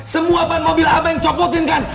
semua bahan mobil abang yang copotin kan